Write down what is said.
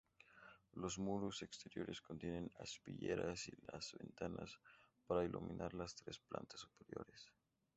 Los muros exteriores contienen aspilleras y las ventanas para iluminar las tres plantas superiores.